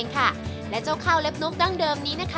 ข้าวเล็บนกขึ้นได้มาก